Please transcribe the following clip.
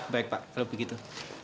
baik pak kalau begitu